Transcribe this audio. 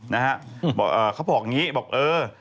เขาบอกอย่างนี้บอกเออ